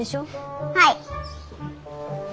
はい。